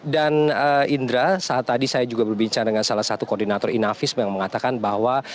dan indra saat tadi saya juga berbincang dengan salah satu koordinator inavis yang mengatakan bahwa